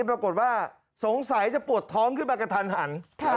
ปรากฏว่าสงสัยจะปวดท้องขึ้นมากระทันหัน